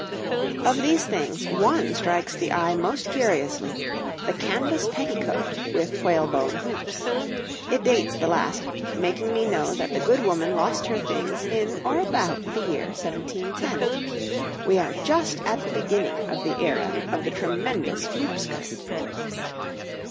Of these things one strikes the eye most curiously the canvas petticoat with whalebone hoops. It dates the last, making me know that the good woman lost her things in or about the year 1710. We are just at the beginning of the era of the tremendous hoop skirt.